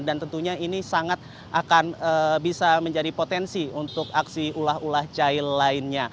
dan tentunya ini sangat akan bisa menjadi potensi untuk aksi ulah ulah cahil lainnya